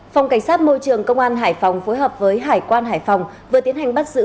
phòng cảnh sát môi trường công an hải phòng phối hợp với hải quan hải phòng vừa tiến hành bắt giữ